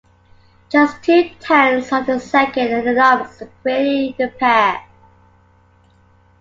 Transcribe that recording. Just two tenths of a second ended up separating the pair.